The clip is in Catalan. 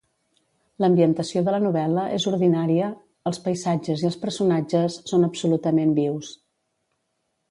L'ambientació de la novel·la és ordinària els paisatges i els personatges són absolutament vius.